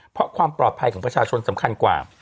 เพราะความปลอดภัยของประชาชนสำคัญกว่า